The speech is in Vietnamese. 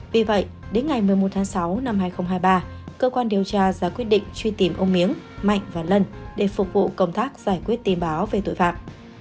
vì vậy đến ngày một mươi một tháng sáu năm hai nghìn hai mươi ba cơ quan điều tra ra quyết định truy tìm ông miếng mạnh và lân để phục vụ công tác giải quyết tin báo về tội phạm